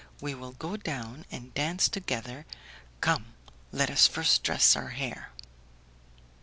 We will go down and dance together. Come, let us first dress our hair."